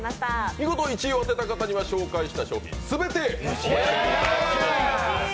見事１位を当てた方には紹介した商品すべて持ち帰っていただきます。